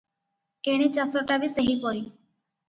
ଏଣେ ଚାଷଟା ବି ସେହିପରି ।